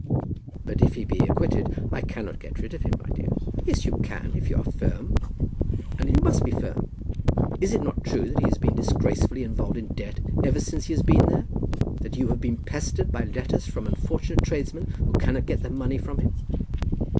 "But if he be acquitted, I cannot get rid of him, my dear." "Yes, you can, if you are firm. And you must be firm. Is it not true that he has been disgracefully involved in debt ever since he has been there; that you have been pestered by letters from unfortunate tradesmen who cannot get their money from him?"